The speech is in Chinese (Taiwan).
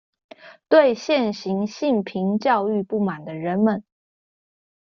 對現行性平教育不滿的人們